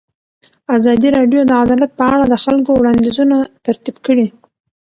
ازادي راډیو د عدالت په اړه د خلکو وړاندیزونه ترتیب کړي.